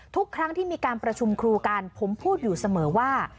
ทุกครั้งที่มีการประชุมครูกันผมพูดอยู่เสมอว่า